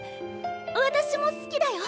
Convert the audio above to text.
私も好きだよ！